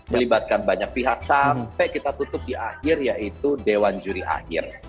melibatkan banyak pihak sampai kita tutup di akhir yaitu dewan juri akhir